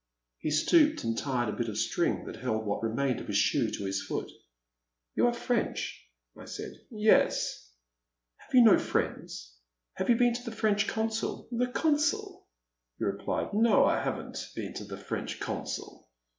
He stooped and tied the bit of string that held what remained of his shoe to his foot. '* You are French, I said. "Yes. Have you no friends ? Have you been to the French Consul? '* The Consul !he replied ; "no, I have n*t been to the French Consul.